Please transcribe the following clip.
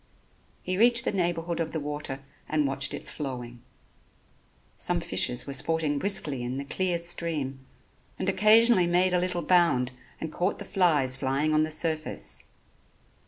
He reached the neighborhood of the water and watched it flowing. Some fishes were sporting briskly in the clear stream and occasionally made a little bound and caught the flies flying on the surface.